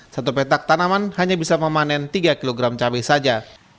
satu petak tanaman hanya bisa memanen tiga kg cabai saja